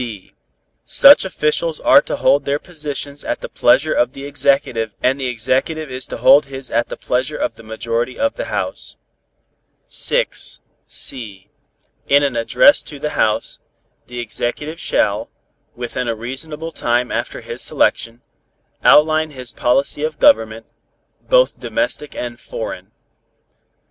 (b) Such officials are to hold their positions at the pleasure of the Executive and the Executive is to hold his at the pleasure of the majority of the House. (c) In an address to the House, the Executive shall, within a reasonable time after his selection, outline his policy of Government, both domestic and foreign.